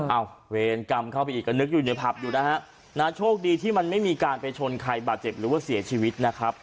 เอาเวนฟิล์นไปเข้าไปอีกก็นึกอยู่ว่าไอ้ฟรรพอยู่นะฮะช่วงดีที่มันไม่มีการไปชนไข้บาเจ็บหรือว่าเสียชีวิตนะครับ